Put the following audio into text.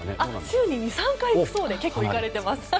週に２３回行くそうで結構行かれています。